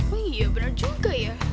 oh iya berat juga ya